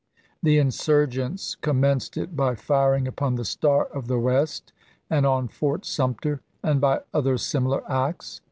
The insurgents commenced it by firing upon the Star of the West and on Fort Sumter, and by other similar acts.